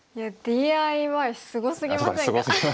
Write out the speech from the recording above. いやＤＩＹすごすぎませんか？